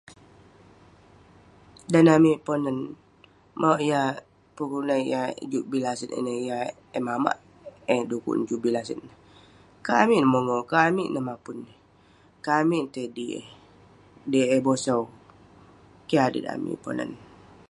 Dan amik ponan mauk yah pun kelunan yah juk bii laset ineh juk bii laset kat amik neh kat-kat amik neh sabung kat amik tai mapun deh eh bosau keh adet amik ponan